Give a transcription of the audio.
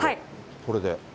これで。